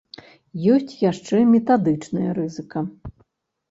Ёсць яшчэ метадычная рызыка.